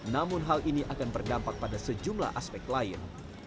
namun hal ini akan berdampak pada sejumlah aspek lain